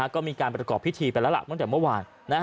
ก็มีการประกอบพิธีไปแล้วล่ะตั้งแต่เมื่อวาน